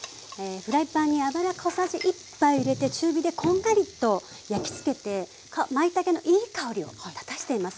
フライパンに油小さじ１杯入れて中火でこんがりと焼きつけてまいたけのいい香りを立たしています。